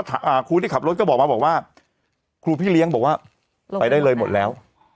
อ่าครูที่ขับรถก็บอกมาบอกว่าครูพี่เลี้ยงบอกว่าไปได้เลยหมดแล้ว